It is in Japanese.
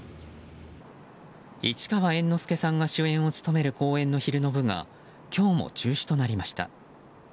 市川猿之助さんが主演を務める公演の昼の部が今日も中止となりました。